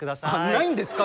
ないんですか？